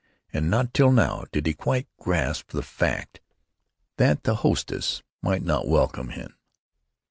And not till now did he quite grasp the fact that the hostess might not welcome him.